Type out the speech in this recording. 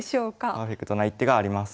パーフェクトな一手があります。